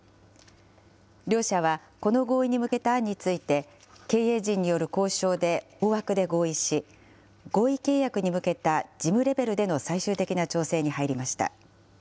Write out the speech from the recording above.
両社はこの合意に向けた案について、経営陣による交渉で大枠で合意し、合意契約に向けた事務レベルでの最終的な調整に入りました。